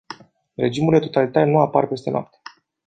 Regimurile totalitare nu apar peste noapte.